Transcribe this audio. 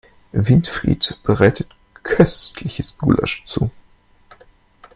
Winfried bereitet köstliches Gulasch zu.